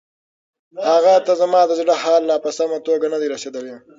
هغې ته زما د زړه حال لا په سمه توګه نه دی رسیدلی.